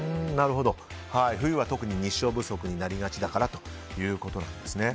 冬は特に日照不足になりがちだからということですね。